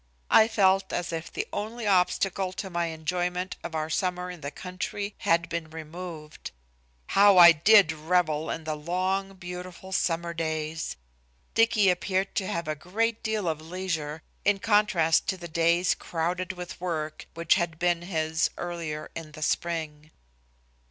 I felt as if the only obstacle to my enjoyment of our summer in the country had been removed. How I did revel in the long, beautiful summer days! Dicky appeared to have a great deal of leisure, in contrast to the days crowded with work, which had been his earlier in the spring.